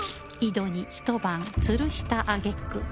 井戸に一晩つるした揚げ句